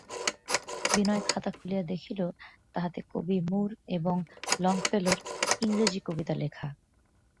বিনয় খাতা খুলিয়া দেখিল, তাহাতে কবি মূর এবং লংফেলোর ইংরেজি কবিতা লেখা।